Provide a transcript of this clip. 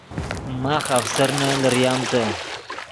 ماخ آفسرنے لریم تے